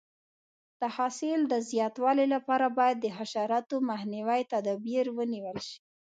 د حاصل د زیاتوالي لپاره باید د حشراتو مخنیوي تدابیر ونیول شي.